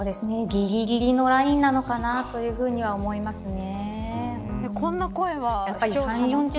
ぎりぎりのラインなのかなというふうに思いますね。